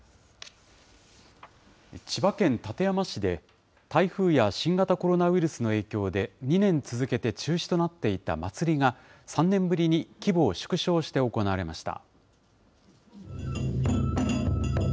千葉県館山市で、台風や新型コロナウイルスの影響で、２年続けて中止となっていた祭りが、３年ぶりに規模を縮小して行われました。